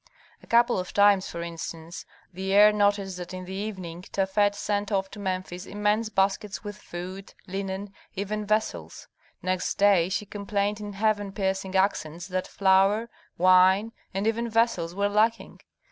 A couple of times, for instance, the heir noticed that in the evening Tafet sent off to Memphis immense baskets with food, linen, even vessels. Next day she complained in heaven piercing accents that flour, wine, and even vessels were lacking.